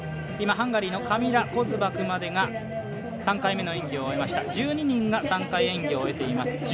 今、ハンガリーのカミラ・コズバクまでが３回目の演技を終えました１２人が３回演技を終えています。